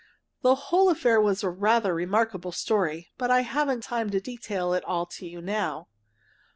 The whole affair was a rather remarkable story, but I haven't time to detail it all to you now.